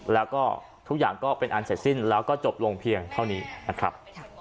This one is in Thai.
แล้วก็ทุกอย่างก็เป็นอันเสร็จสิ้นแล้วก็จบลงเพียงเท่านี้นะครับ